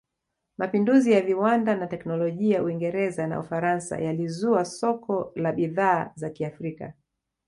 Mapinduzi ya Viwanda na Teknolojia Uingereza na Ufaransa yalizua soko la bidhaa za Kiafrika